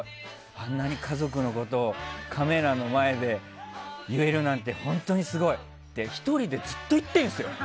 あんなに家族のことをカメラの前で言えるなんて本当にすごいって１人でずっと言ってるんですよ。